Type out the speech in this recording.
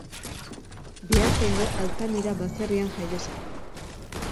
Beasaingo Altamira baserrian jaio zen.